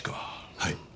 はい。